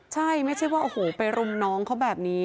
ใช่ไม่ใช่ว่าโอ้โหไปรุมน้องเขาแบบนี้